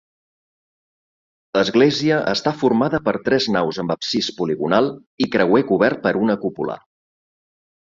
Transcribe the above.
Església està formada per tres naus amb absis poligonal i creuer cobert per una cúpula.